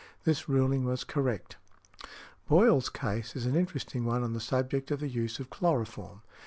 This ruling was correct" . Boyle's case is an interesting one on the subject of the use of chloroform.